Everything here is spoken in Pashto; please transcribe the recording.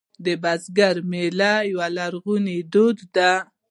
د بزګر میله یو لرغونی دود دی